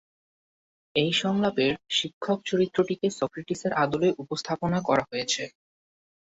এই সংলাপের শিক্ষক চরিত্রটিকে সক্রেটিসের আদলে উপস্থাপনা করা হয়েছে।